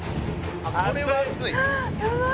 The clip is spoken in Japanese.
これは熱い！